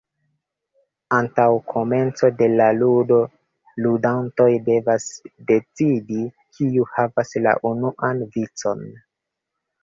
Antaŭ komenco de la ludo, ludantoj devas decidi, kiu havas la unuan vicon.